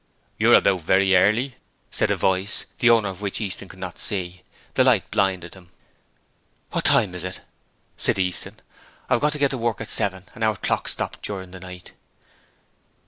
'You're about very early,' said a voice, the owner of which Easton could not see. The light blinded him. 'What time is it?' said Easton. 'I've got to get to work at seven and our clock stopped during the night.'